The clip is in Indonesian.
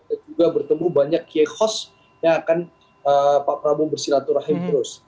dan juga bertemu banyak kiai host yang akan pak prabu bersilaturahim terus